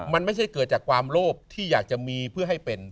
มันไม่ใช่เกิดจากความโลภที่อยากจะมีเพื่อให้เป็น